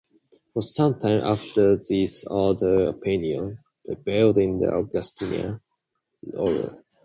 For some time after this other opinions prevailed in the Augustinian Order.